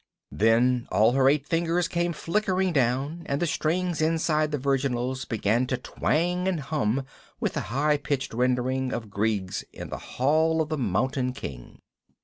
Then all her eight fingers came flickering down and the strings inside the virginals began to twang and hum with a high pitched rendering of Grieg's "In the Hall of the Mountain King."